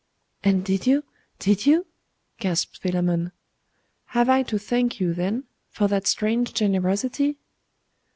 'And did you? did you?' gasped Philammon. 'Have I to thank you, then, for that strange generosity?